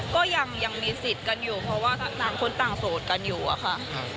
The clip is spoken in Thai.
ก็ยังมีสิทธิ์กันอยู่เพราะว่าต่างคนต่างโสดกันอยู่อะค่ะ